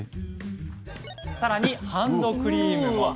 さらにハンドクリームも。